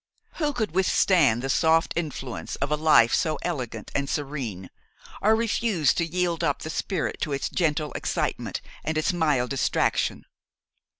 Who could withstand the soft influence of a life so elegant and serene, or refuse to yield up the spirit to its gentle excitement and its mild distraction?